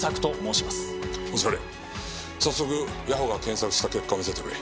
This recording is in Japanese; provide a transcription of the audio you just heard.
早速谷保が検索した結果を見せてくれ。